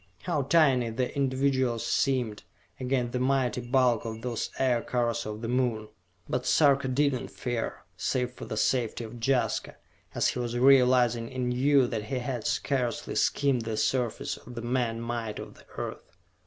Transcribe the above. How tiny the individuals seemed, against the mighty bulk of those Aircars of the Moon! But Sarka did not fear, save for the safety of Jaska, as he was realizing anew that he had scarcely skimmed the surface of the man might of the Earth.